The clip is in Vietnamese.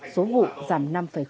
số vụ giảm năm sáu